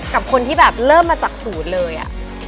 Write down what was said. กับคนที่แบบเริ่มมาจากศูนย์เลยอะ